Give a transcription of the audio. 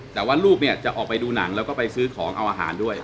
แต่ว่าลูกเนี่ยจะออกไปดูหนังแล้วก็ไปซื้อของเอาอาหารด้วย